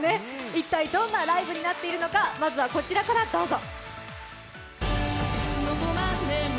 一体、どんなライブになっているのかまずはこちらからどうぞ。